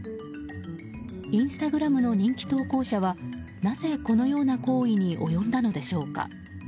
インスタグラムの人気投稿者はなぜ、このような行為に及んだのでしょうか。